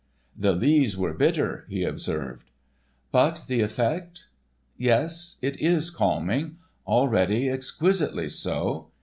"The lees were bitter," he observed. "But the effect?" "Yes, it is calming—already, exquisitely so.